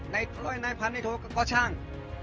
ในร่อยนายพันธุ์ในโทษก็ช่าง